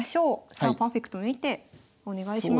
さあパーフェクトな一手お願いします。